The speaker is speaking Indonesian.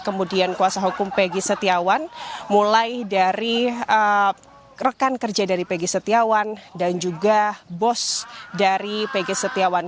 kemudian kuasa hukum peggy setiawan mulai dari rekan kerja dari pegi setiawan dan juga bos dari pg setiawan